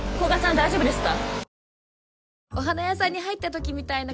大丈夫ですか？